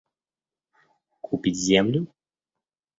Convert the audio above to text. Купить землю?